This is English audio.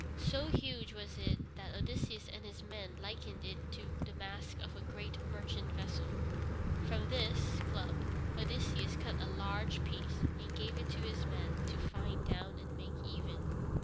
So huge was it that Odysseus and his men likened it to the mast of a great merchant vessel. From this club Odysseus cut a large piece and gave it to his men to fine down and make even.